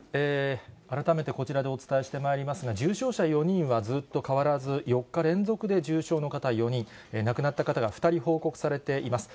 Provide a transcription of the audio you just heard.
改めてこちらでお伝えしてまいりますが、重症者４人はずっと変わらず、４日連続で重症の方４人、亡くなった方が２人報告されています。